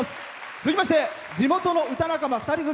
続きまして、地元の歌仲間２人組。